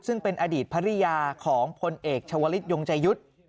ซึ่งเป็นอดีตภรรยาของพลเอกชาวลิศยงใจยุทธ์